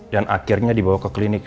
dan akhirnya dibawa ke klinik